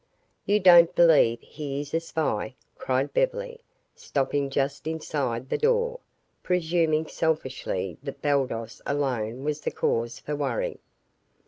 "You don't believe he is a spy?" cried Beverly, stopping just inside the door, presuming selfishly that Baldos alone was the cause for worry.